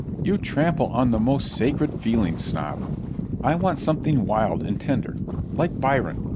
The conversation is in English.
You trample on the most sacred feelings, Snob. I want something wild and tender, like Byron.